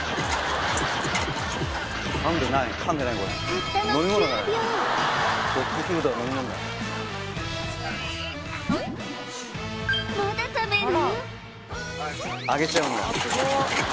たったの９秒Ｗａｉｔまだ食べる！？